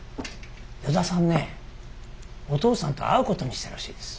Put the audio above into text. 依田さんねお父さんと会うことにしたらしいです。